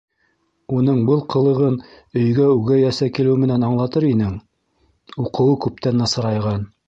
Уның был ҡылығын өйгә үгәй әсә килеү менән аңлатыр инең - уҡыуы күптән насарайған.